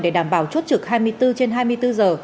để đảm bảo chốt trực hai mươi bốn trên hai mươi bốn giờ